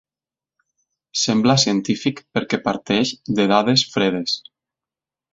Sembla científic perquè parteix de dades fredes.